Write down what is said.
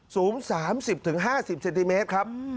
สูง๓๐๕๐เซนติเมตรครับ